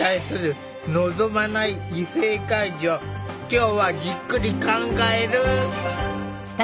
今日はじっくり考える！